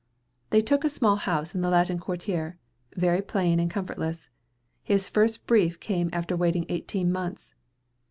They took a small house in the Latin Quartier, very plain and comfortless. His first brief came after waiting eighteen months!